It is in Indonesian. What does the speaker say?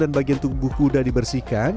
dan bagian tubuh kuda dibersihkan